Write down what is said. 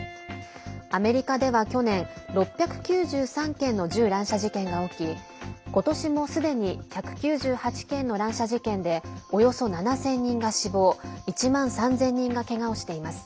アメリカでは去年６９３件の銃乱射事件が起きことしも、すでに１９８件の乱射事件でおよそ７０００人が死亡１万３０００人がけがをしています。